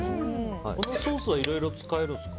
このソースはいろいろ使えるんですか？